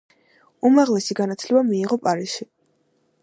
უმაღლესი განათლება მიიღო პარიზში.